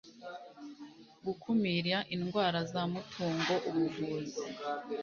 gukumira indwara z amatungo ubuvuzi